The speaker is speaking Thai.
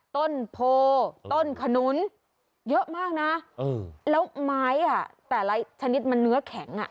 ต้นโพต้นขนุนเยอะมากนะแล้วไม้อ่ะแต่ละชนิดมันเนื้อแข็งอ่ะ